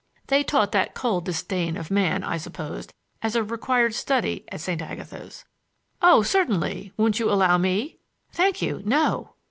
They taught that cold disdain of man, I supposed, as a required study at St. Agatha's. "Oh, certainly! Won't you allow me?" "Thank you, no!"